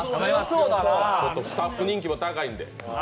スタッフ人気も高いので。